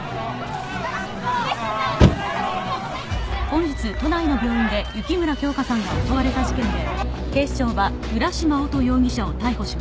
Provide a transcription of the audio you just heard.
本日都内の病院で雪村京花さんが襲われた事件で警視庁は浦島乙容疑者を逮捕しました。